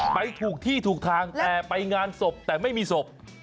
ไปถูกที่ถูกทางแต่ไปงานศพแต่ไม่มีศพ